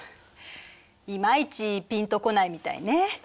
いまいちピンとこないみたいね。